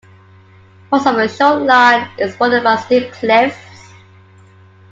Parts of the shoreline is bordered by steep cliffs.